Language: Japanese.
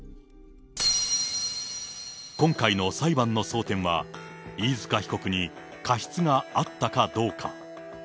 今回の裁判の争点は、飯塚被告に過失があったかどうか。